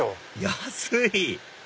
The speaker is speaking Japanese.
安い！